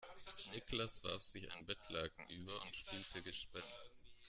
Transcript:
Niklas warf sich ein Bettlaken über und spielte Gespenst.